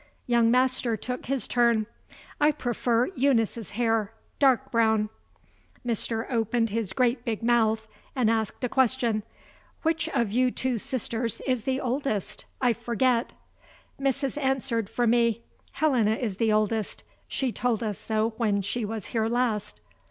Young Master took his turn: "I prefer Eunice's hair dark brown." Mr. opened his great big mouth, and asked a question: "Which of you two sisters is the oldest? I forget." Mrs. answered for me: "Helena is the oldest; she told us so when she was here last."